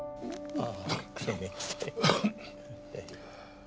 ああ！